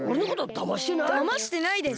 だましてないです！